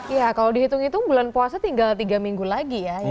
ya kalau dihitung hitung bulan puasa tinggal tiga minggu lagi ya